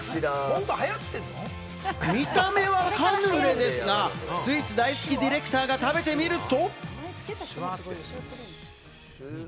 見た目はカヌレですが、スイーツ大好きディレクターが食べてみると。